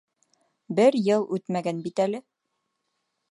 Бер йыл үтмәгән бит әле!